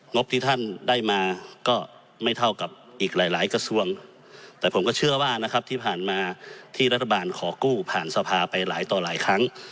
บที่ท่านได้มาก็ไม่เท่ากับอีกหลายหลายกระทรวงแต่ผมก็เชื่อว่านะครับที่ผ่านมาที่รัฐบาลขอกู้ผ่านสภาไปหลายต่อหลายครั้ง